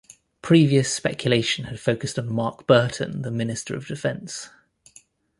Previous speculation had focused on Mark Burton, the Minister of Defence.